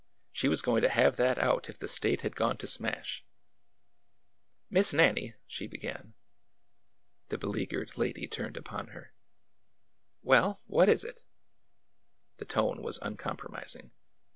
She was going to have that out if the State had gone to smash! Miss Nannie," she began. The beleaguered lady turned upon her. ^'Well? What is it?" The tone was uncompromising.